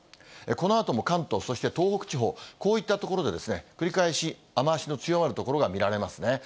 このあとも関東、そして東北地方、こういった所で、繰り返し雨足の強まる所が見られますね。